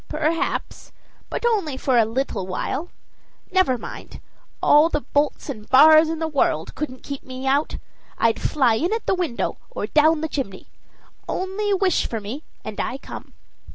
"Perhaps; but only for a little while. Never mind; all the bolts and bars in the world couldn't keep me out. I'd fly in at the window, or down through the chimney. Only wish for me, and I come."